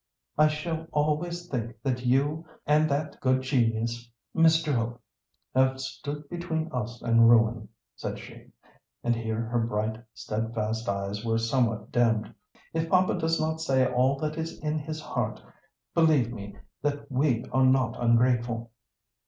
"I shall always think that you and that good genius, Mr. Hope, have stood between us and ruin," said she, and here her bright, steadfast eyes were somewhat dimmed. "If papa does not say all that is in his heart, believe me that we are not ungrateful."